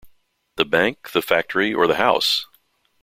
The bank, the factory, or the house?